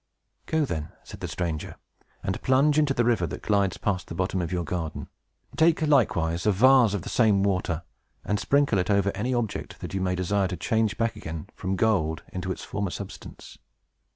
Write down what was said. "Go, then," said the stranger, "and plunge into the river that glides past the bottom of your garden. Take likewise a vase of the same water, and sprinkle it over any object that you may desire to change back again from gold into its former substance.